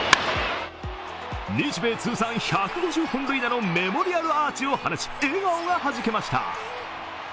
日米通算１５０本塁打のメモリアルアーチを放ち笑顔がはじけました。